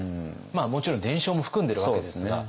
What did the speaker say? もちろん伝承も含んでいるわけですが。